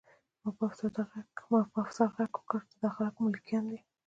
ما په افسر غږ وکړ چې دا خلک ملکیان دي